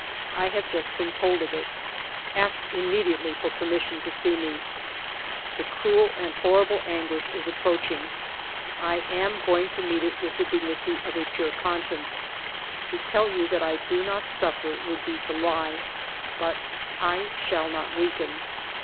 I have just been told of it. Ask im mediately for permission to see me. ... cc 36 FIVE YEARS OF MY LIFE " The cruel and horrible anguish is approach ing. I am going to meet it with the dignity of a pure conscience. To tell you that I do not suffer would be to lie; but I shall not weaken.